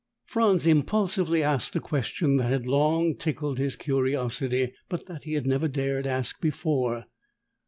Franz impulsively asked a question that had long tickled his curiosity, but that he had never dared ask before.